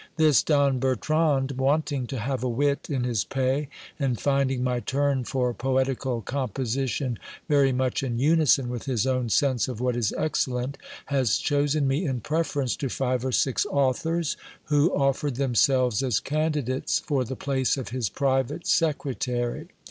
This Don Bertrand, wanting to have a wit in his pay, and finding my turn for poetical composition very much in unison with his own sense of what is excellent, has chosen me in preference to five or six authors who offered themselves as candidates for the place of his private secretary.